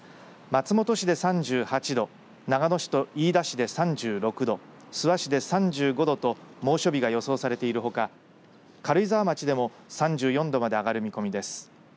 松本市で３８度長野市と飯田市で３６度諏訪市で３５度と猛暑日が予想されているほか軽井沢町でも３４度まで上がる見込みです。